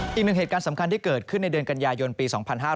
อีกหนึ่งเหตุการณ์สำคัญที่เกิดขึ้นในเดือนกันยายนปี๒๕๕๙